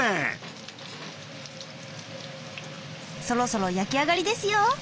そろそろ焼き上がりですよ。